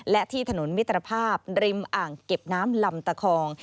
และที่ถนนมิตรภาพริมอ่างเก็บน้ำลำตะคอง